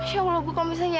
ya allah bu kalau misalnya